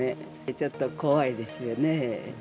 ちょっと怖いですよね。